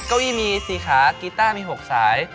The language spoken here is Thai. เก้าอี้มีสี่ค้ากีต้ามีหกสาย